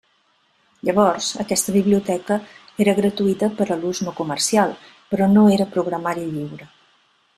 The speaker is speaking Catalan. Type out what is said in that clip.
Llavors, aquesta biblioteca era gratuïta per a l'ús no comercial, però no era programari lliure.